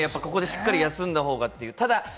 ここでしっかり休んだ方がっていう。